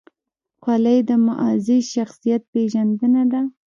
خولۍ د معزز شخصیت پېژندنه ده.